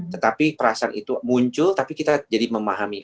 tetapi perasaan itu muncul tapi kita jadi memahami